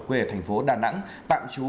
quê thành phố đà nẵng tạm trú